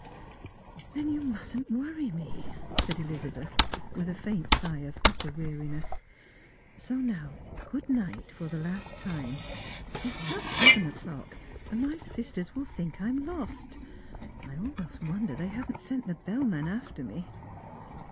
" Then you mustn't worry me," said Elizabeth, with a faint eigh of utter weariness. " So now good night for the last time. It is past seven o'clock, and my sisters will think I am lost. I almost wonder they haven't sent the bellman after me."